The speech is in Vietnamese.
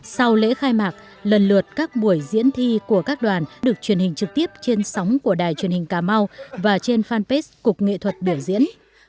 sau lễ khai mạc lần lượt các buổi diễn thi của các đoàn được truyền hình trực tiếp trên sóng của đài truyền hình cà mau và trên fanpage cục nghệ thuật biểu diễn